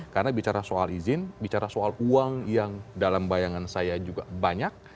karena bicara soal izin bicara soal uang yang dalam bayangan saya juga banyak